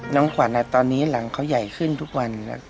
น้องขวัญตอนนี้หลังเขาใหญ่ขึ้นทุกวัน